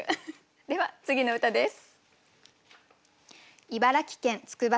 では次の歌です。